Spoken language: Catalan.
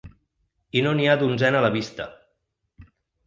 I no n’hi ha d’onzena a la vista.